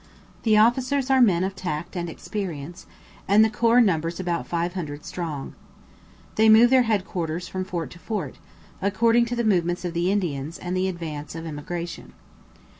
The officers are men of tact and experience, and the corps numbers about 500 strong. They move their head quarters from fort to fort, according to the movements of the Indians and the advance of emigration.